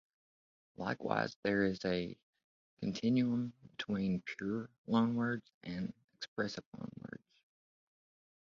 Likewise, there is a continuum between "pure" loanwords and "expressive" loanwords.